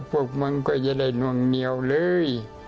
พวกมึงก็จะได้นวงเหนียวเลย